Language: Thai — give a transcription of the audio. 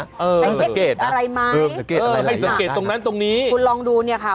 สังเกตอะไรไหมไม่สังเกตตรงนั้นตรงนี้คุณลองดูเนี่ยค่ะ